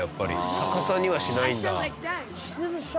逆さにはしないんだ。